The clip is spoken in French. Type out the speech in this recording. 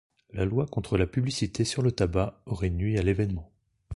La loi contre la publicité sur le tabac aurait nui à l'événement.